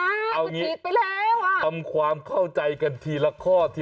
เอาอย่างนี้ทำความเข้าใจกันทีละข้อที